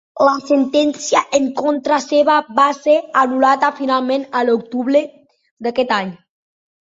La sentència en contra seva va ser anul·lada finalment a l'octubre d'aquest any.